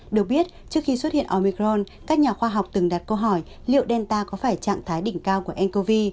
được biết trước khi xuất hiện omicron các nhà khoa học từng đặt câu hỏi liệu delta có phải trạng thái đỉnh cao của ncov